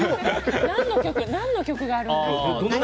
何の曲があるんですか？